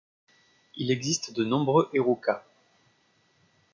Il existe de nombreux herukas.